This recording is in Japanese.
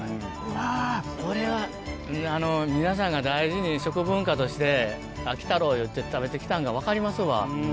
これは、皆さんが大事に食文化として、秋太郎いって食べてきたのが分かりますわ。